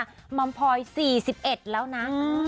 มัมพลอย๔๑แล้วนะ